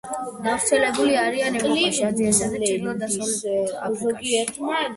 გავრცელებული არიან ევროპაში, აზიასა და ჩრდილოეთ-დასავლეთ აფრიკაში.